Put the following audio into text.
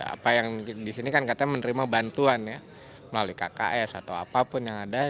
apa yang di sini kan katanya menerima bantuan ya melalui kks atau apapun yang ada